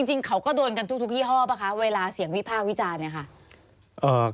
จริงเขาก็โดนกันทุกยี่ห้อป่ะคะเวลาเสียงวิพากษ์วิจารณ์เนี่ยค่ะ